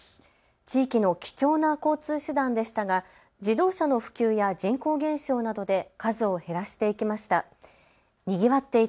地域の貴重な交通手段でしたが自動車の普及や人口減少などで数を減らしていきました。